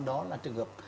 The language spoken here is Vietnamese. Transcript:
đó là trường hợp